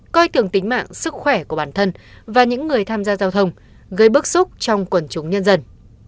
coi thường tính mạng sức khỏe của bản thân và những người tham gia giao thông gây bức xúc trong quần chúng nhân dân